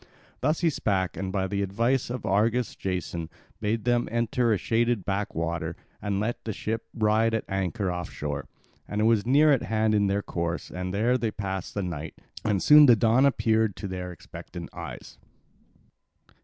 Thus he spake, and by the advice of Argus Jason bade them enter a shaded backwater and let the ship ride at anchor off shore; and it was near at hand in their course and there they passed the night. And soon the dawn appeared to their expectant eyes.